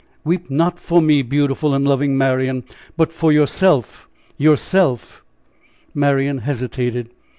"Weep not for me, beautiful and loving Marian, but for yourself yourself!" Marian hesitated.